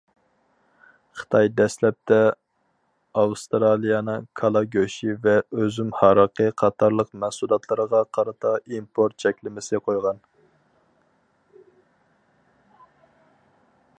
خىتاي دەسلەپتە ئاۋسترالىيەنىڭ كالا گۆشى ۋە ئۈزۈم ھارىقى قاتارلىق مەھسۇلاتلىرىغا قارىتا ئىمپورت چەكلىمىسى قويغان.